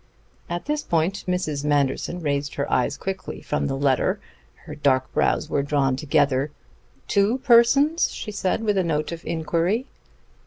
At this point Mrs. Manderson raised her eyes quickly from the letter. Her dark brows were drawn together. "Two persons?" she said with a note of inquiry.